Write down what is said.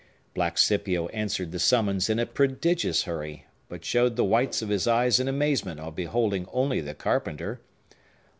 Black Scipio answered the summons in a prodigious hurry; but showed the whites of his eyes, in amazement on beholding only the carpenter.